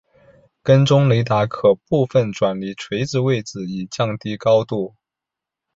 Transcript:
跟踪雷达可部分转离垂直位置以降低高度。